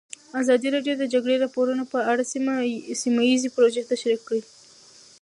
ازادي راډیو د د جګړې راپورونه په اړه سیمه ییزې پروژې تشریح کړې.